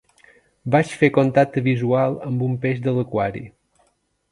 Vaig fer contacte visual amb un peix de l'aquari.